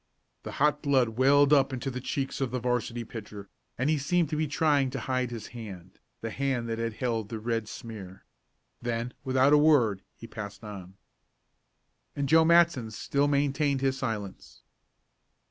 The hot blood welled up into the cheeks of the 'varsity pitcher, and he seemed to be trying to hide his hand the hand that had held the red smear. Then, without a word, he passed on. And Joe Matson still maintained his silence.